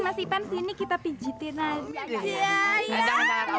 masa inspirational wah